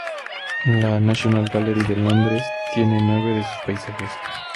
La National Gallery de Londres tiene nueve de sus paisajes.